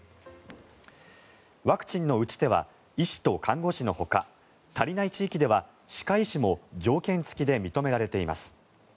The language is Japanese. ワクチンの打ち手は医師と看護師のほか足りない地域では歯科医師も条件付きで認められています。